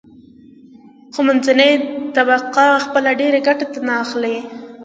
خو منځنۍ طبقه خپله ډېره ګټه ترې اخلي.